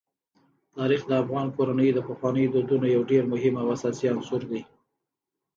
تاریخ د افغان کورنیو د پخوانیو دودونو یو ډېر مهم او اساسي عنصر دی.